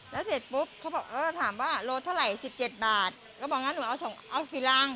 แล้วเสร็จปุ๊บเขาบอกเออถามว่าโลเท่าไหร่๑๗บาทก็บอกงั้นหนูเอากี่รัง